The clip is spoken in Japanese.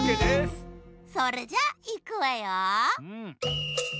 それじゃいくわよ。